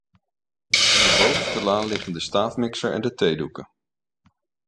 In de bovenste la liggen de staafmixer en de theedoeken.